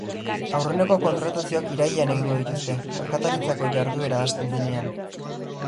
Aurreneko kontratazioak irailean egingo dituzte, merkataritzako jarduera hasten denean.